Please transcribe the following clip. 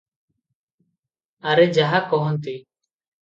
ଆରେ ଯାହା କହନ୍ତି -